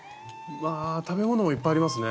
食べ物もいっぱいありますね